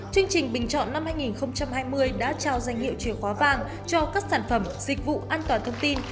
chương trình bình chọn năm hai nghìn hai mươi đã trao danh hiệu chìa khóa vàng cho các sản phẩm dịch vụ an toàn thông tin